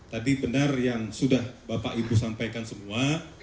tadi benar yang sudah bapak ibu sampaikan semua